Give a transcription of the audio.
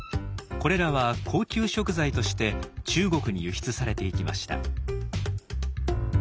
これらは高級食材として中国に輸出されていきました。